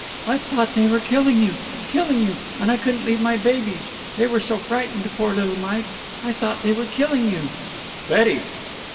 "I thought they were killing you killing you and I couldn't leave my babies they were so frightened, poor little mites I thought they were killing you." "Betty!"